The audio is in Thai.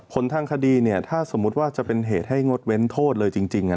ทางคดีเนี่ยถ้าสมมุติว่าจะเป็นเหตุให้งดเว้นโทษเลยจริง